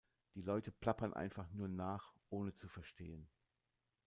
Die Leute plappern einfach nur nach, ohne zu verstehen.